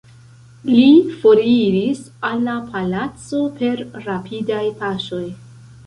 Li foriris al la palaco per rapidaj paŝoj.